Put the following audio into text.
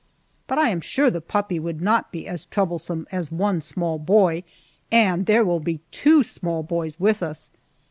But I am sure the puppy would not be as troublesome as one small boy, and there will be two small boys with us.